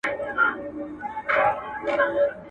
نن به ریږدي د فرنګ د زوی ورنونه.